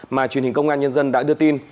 mà truyền hình công an nhân dân đã đưa tin